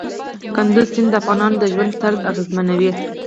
کندز سیند د افغانانو د ژوند طرز اغېزمنوي.